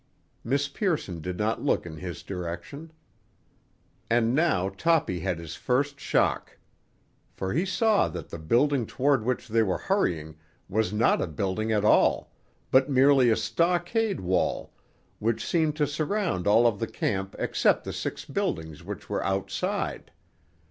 Miss Pearson did not look in his direction. And now Toppy had his first shock. For he saw that the building toward which they were hurrying was not a building at all, but merely a stockade wall, which seemed to surround all of the camp except the six buildings which were outside.